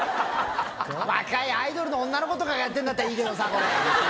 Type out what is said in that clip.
若いアイドルの女の子とかがやってるんだったらいいけどさ、これ。